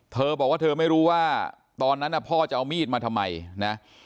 เธอบอกว่าเธอไม่รู้ว่าตอนนั้นพ่อจะเอามีดมาทำไมนะ